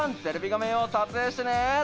テレビ画面を撮影してね。